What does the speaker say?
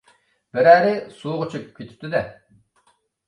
بىرەرى سۇغا چۆكۈپ كېتىپتۇ-دە؟